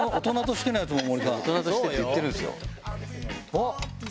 あっ！